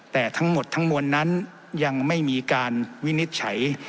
แต่ทั้งหมดทั้งมวลนั้นยังไม่มีการวินิจฉัย